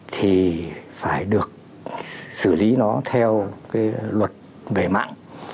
thì phải được xử lý nó theo cái luật về mạng